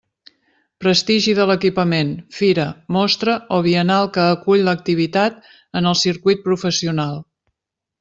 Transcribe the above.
Prestigi de l'equipament, fira, mostra o biennal que acull l'activitat en el circuit professional.